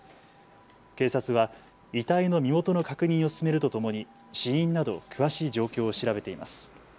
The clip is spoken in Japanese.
警察は遺体の身元の確認を進めるとともに死因など詳しい状況を調べています。